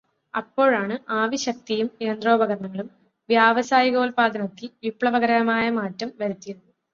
അപ്പോഴാണ് ആവിശക്തിയും യന്ത്രോപകരണങ്ങളും വ്യാവസായികോല്പാദനത്തിൽ വിപ്ലവകരമായ മാറ്റം വരുത്തിയതു്.